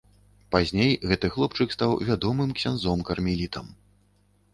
Пазней гэты хлопчык стаў вядомым ксяндзом кармелітам.